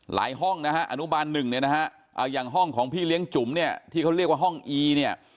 ห้องนะฮะอนุบาลหนึ่งเนี่ยนะฮะเอาอย่างห้องของพี่เลี้ยงจุ๋มเนี่ยที่เขาเรียกว่าห้องอีเนี่ย